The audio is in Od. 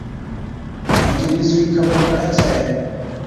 ائُون جِڏَ اِسڙِي خبر پَڙي ڇَي